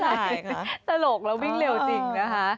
ใช่ตลกแล้ววิ่งเร็วจริงนะคะ